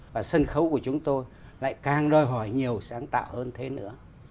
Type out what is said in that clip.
và sân khấu của chúng tôi lại càng đòi hỏi nhiều sáng tạo hơn thế nữa